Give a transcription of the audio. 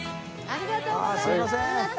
ありがとうございます。